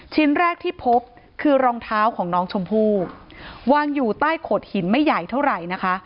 ชิ้นแรกที่พบคือรองเท้าของน้องชมพู่วางอยู่ใต้โขดหินไม่ใหญ่เท่าไหร่นะคะ